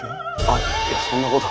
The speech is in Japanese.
あっいやそんなこと。